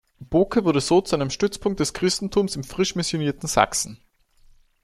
Boke wurde so zu einem Stützpunkt des Christentums im frisch missionierten Sachsen.